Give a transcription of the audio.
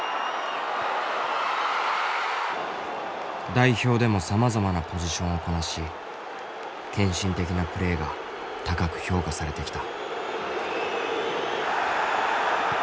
代表でもさまざまなポジションをこなし献身的なプレーが高く評価されてきた。